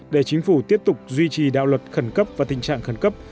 để chính phủ tiếp tục duy trì đạo luật khẩn cấp và tình trạng khẩn cấp